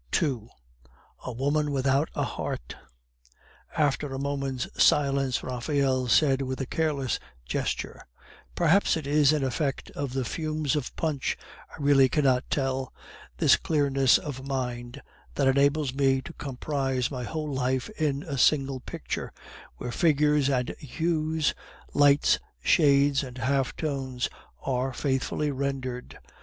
II. A WOMAN WITHOUT A HEART After a moment's silence, Raphael said with a careless gesture: "Perhaps it is an effect of the fumes of punch I really cannot tell this clearness of mind that enables me to comprise my whole life in a single picture, where figures and hues, lights, shades, and half tones are faithfully rendered.